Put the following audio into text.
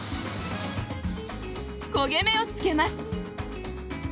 焦げ目をつけます。